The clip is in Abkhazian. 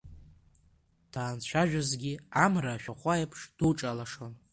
Данцәажәозгьы амра ашәахәа еиԥш дуҿалашон.